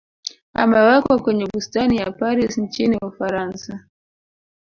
amewekwa kwenye bustani ya paris nchini ufaransa